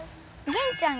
銀ちゃん